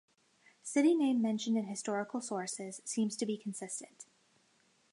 City name mentioned in historical sources, seems to be consistent.